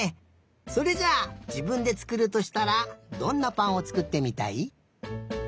それじゃあじぶんでつくるとしたらどんなぱんをつくってみたい？